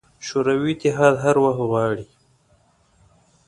شوروي اتحاد هر وخت غواړي.